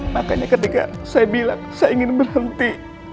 makanya ketika saya bilang saya ingin berhenti